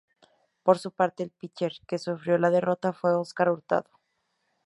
Por su parte el pitcher que sufrió la derrota fue Oscar Hurtado.